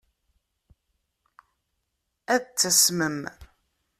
Ad tasmem.